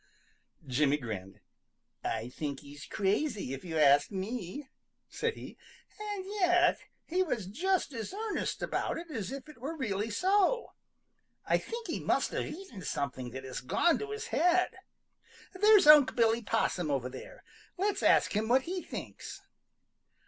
Jimmy grinned. "I think he's crazy, if you ask me," said he. "And yet he was just as earnest about it as if it were really so. I think he must have eaten something that has gone to his head. There's Unc' Billy Possum over there. Let's ask him what he thinks."